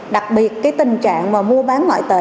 đặc biệt tình trạng mua bán ngoại tệ